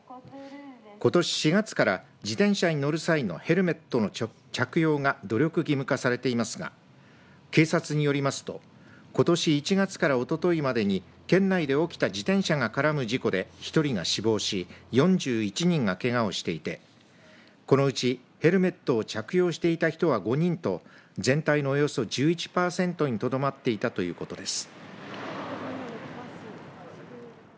ことし４月から自転車に乗る際のヘルメットの着用が努力義務化されていますが警察によりますとことし１月からおとといまでに県内で起きた自転車が絡む事故で１人が死亡し４１人がけがをしていてこのうち、ヘルメットを着用していた人は５人と全体のおよそ１１パーセントにとどまっていたということです。